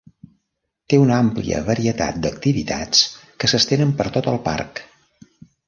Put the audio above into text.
Té una àmplia varietat d'activitats que s'estenen per tot el parc.